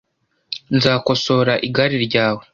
Nzakosora igare ryawe .